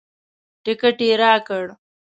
ټکټ یې راکړ.